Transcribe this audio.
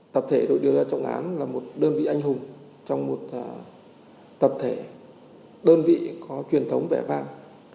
tập thể đội điều tra trọng án là một đơn vị anh hùng trong một tập thể đơn vị có truyền thống vẻ vang